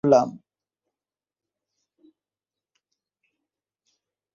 আমি রাসূলুল্লাহ সাল্লাল্লাহু আলাইহি ওয়াসাল্লামের নাম শুনে তাকে ঘৃণা করলাম।